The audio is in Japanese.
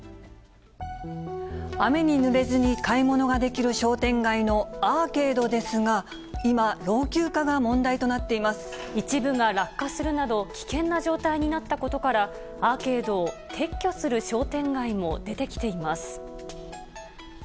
雨にぬれずに買い物ができる商店街のアーケードですが、今、一部が落下するなど、危険な状態になったことから、アーケードを撤去する商店街も出てきています。